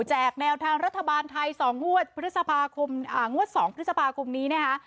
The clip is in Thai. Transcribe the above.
แจกแนวทางรัฐบาลไทย๒งวด๒พฤษภาคมนี้นะคะ